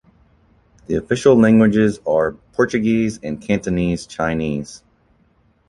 The official languages are Portuguese and Cantonese Chinese.